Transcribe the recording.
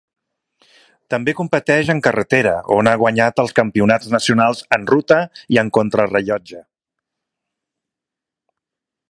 També competeix en carretera on ha guanyat els campionats nacionals en ruta i en contrarellotge.